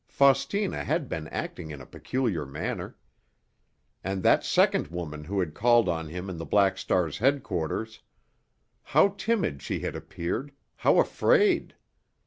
Faustina had been acting in a peculiar manner. And that second woman who had called on him in the Black Star's headquarters—how timid she had appeared, how afraid!